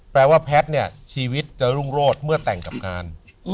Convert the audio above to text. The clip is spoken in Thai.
แปลว่าแพทย์เนี่ยชีวิตจะรุ่งโรธเมื่อแต่งกับงาน